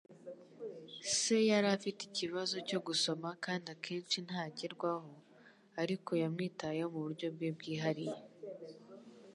Se yari afite ikibazo cyo gusoma kandi akenshi ntagerwaho, ariko yamwitayeho muburyo bwe bwihariye.